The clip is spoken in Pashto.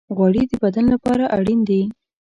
غوړې د بدن لپاره اړین دي.